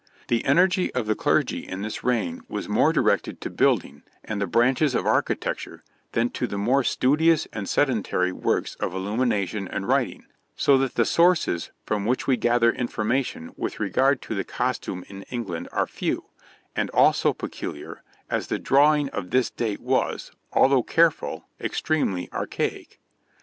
The energy of the clergy in this reign was more directed to building and the branches of architecture than to the more studious and sedentary works of illumination and writing, so that the sources from which we gather information with regard to the costume in England are few, and also peculiar, as the drawing of this date was, although careful, extremely archaic.